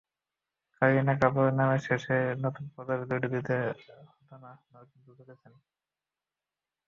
কারিনা কাপুরকে নামের শেষে নতুন পদবি জুড়ে দিতে হতো না, কিন্তু জুড়েছেন।